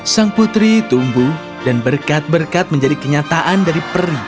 sang putri tumbuh dan berkat berkat menjadi kenyataan dari peri